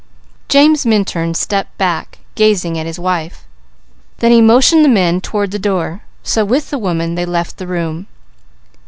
James Minturn stepped back, gazing at his wife. Then he motioned the men toward the door, so with the woman they left the room.